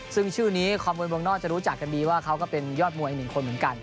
ซึ่งชื่อนี้คอมวยวงนอกจะรู้จักกันดีว่าเขาก็เป็นยอดมวยอีกหนึ่งคนเหมือนกัน